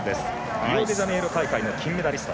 リオデジャネイロ大会の金メダリスト。